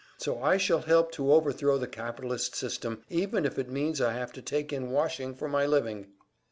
So I shall help to overthrow the capitalist system, even if it means I have to take in washing for my living!"